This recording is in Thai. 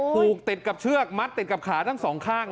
ผูกติดกับเชือกมัดติดกับขาทั้งสองข้าง